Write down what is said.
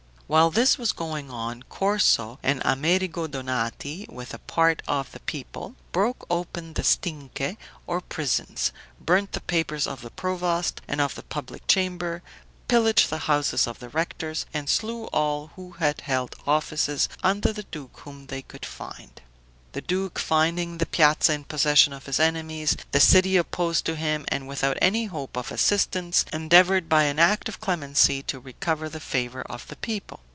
While this was going on, Corso and Amerigo Donati, with a part of the people, broke open the stinche, or prisons; burnt the papers of the provost and of the public chamber; pillaged the houses of the rectors, and slew all who had held offices under the duke whom they could find. The duke, finding the piazza in possession of his enemies, the city opposed to him, and without any hope of assistance, endeavored by an act of clemency to recover the favor of the people.